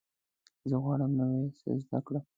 زه غواړم نوی څه زده کړم.